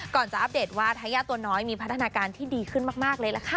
ก่อนจะอัปเดตว่าทายาทตัวน้อยมีพัฒนาการที่ดีขึ้นมากเลยล่ะค่ะ